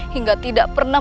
hingga tidak pernah